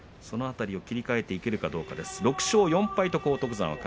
その辺りを切り替えていけるかどうかです。